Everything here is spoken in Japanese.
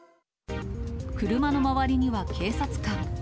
車の周りには警察官。